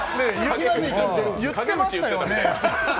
言ってましたよね。